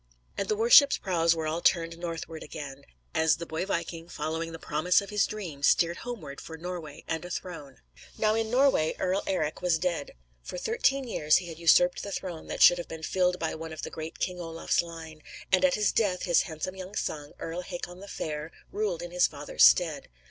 And the war ships' prows were all turned northward again, as the boy viking, following the promise of his dream, steered homeward for Norway and a throne. Now in Norway Earl Eric was dead. For thirteen years he had usurped the throne that should have been filled by one of the great King Olaf's line; and, at his death, his handsome young son, Earl Hakon the Fair, ruled in his father's stead.